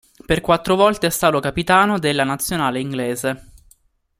Per quattro volte è stato capitano della nazionale inglese.